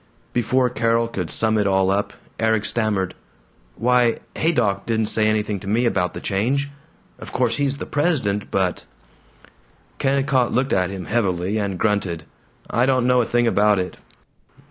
Before Carol could sum it all up, Erik stammered, "Why, Haydock didn't say anything to me about the change. Of course he's the president, but " Kennicott looked at him heavily, and grunted, "I don't know a thing about it.